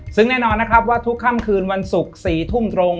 ซึ่งแน่นอนนะครับว่าทุกค่ำคืนวันศุกร์๔ทุ่มตรง